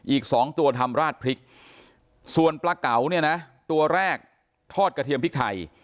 อีก๒ตัวทำราดพริกส่วนปลาเก๋าเนี่ยนะตัวแรกทอดกระเทียมพริกไทย